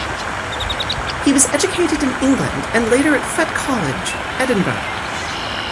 He was educated in England and later at Fettes College, Edinburgh.